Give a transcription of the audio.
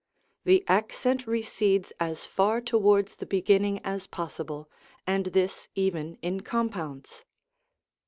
The accent recedes as far towards the beginning as possible, and this even in compounds.